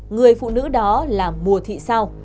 người phụ nữ đó là mùa thị sao